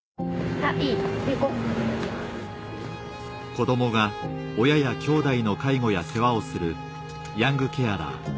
子供が親やきょうだいの介護や世話をするヤングケアラー